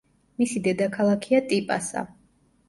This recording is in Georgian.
მისი დედაქალაქია ტიპასა.